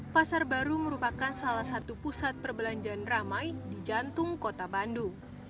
pasar baru merupakan salah satu pusat perbelanjaan ramai di jantung kota bandung